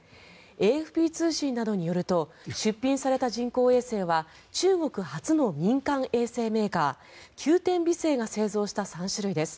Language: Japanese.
ＡＦＰ通信などによると出品された人工衛星は中国初の民間衛星メーカー九天微星が製造した３種類です。